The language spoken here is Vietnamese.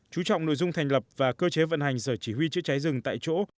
chú trọng nội dung thành lập và cơ chế vận hành sở chỉ huy chữa cháy rừng tại chỗ